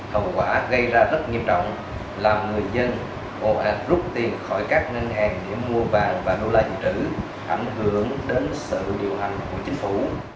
hậu quả gây ra rất nghiêm trọng làm người dân bộ ảnh rút tiền khỏi các ngân hàng để mua vàng và đô la dự trữ ảnh hưởng đến sự điều hành của chính phủ